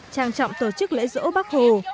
trang trọng tổ chức lễ dỗ bác hồ